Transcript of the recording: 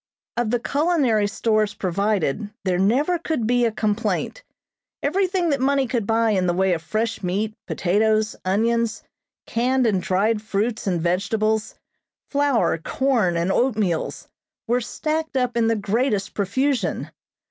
Of the culinary stores provided there never could be a complaint. Everything that money could buy in the way of fresh meat, potatoes, onions, canned and dried fruits and vegetables, flour, corn and oatmeals, were stacked up in the greatest profusion.